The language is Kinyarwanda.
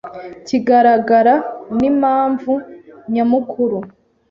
kigaragara nimpamvu nyamukuru